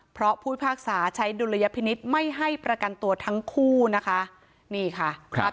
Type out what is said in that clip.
เพราะผู้พิพากษาใช้ดุลยพินิษฐ์ไม่ให้ประกันตัวทั้งคู่นะคะนี่ค่ะครับ